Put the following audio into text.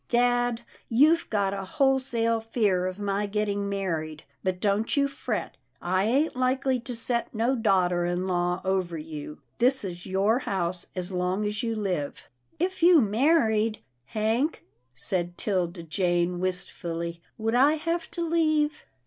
" Dad, you've got a wholesale fear of my getting married, but don't you fret. I ain't likely to set no daughter in law over you. This is your house as long as you live." " If you married. Hank," said 'Tilda Jane wist fully, "would I have to leave?"